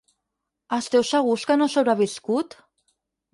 Esteu segurs que no ha sobreviscut?